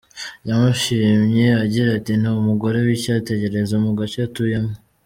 Yamushimye agira ati “Ni umugore w’ icyitegererezo mu gace atuyemo.